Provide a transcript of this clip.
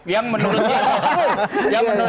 yang menurut dia